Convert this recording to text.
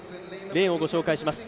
レーンをご紹介します。